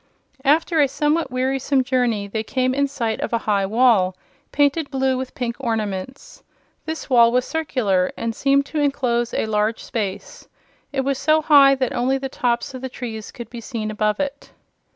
After a somewhat wearisome journey they came in sight of a high wall, painted blue with pink ornaments. This wall was circular, and seemed to enclose a large space. It was so high that only the tops of the trees could be seen above it.